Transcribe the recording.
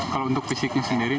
kalau untuk fisiknya sendiri